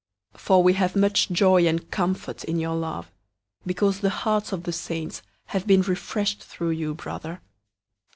001:007 For we have much joy and comfort in your love, because the hearts of the saints have been refreshed through you, brother.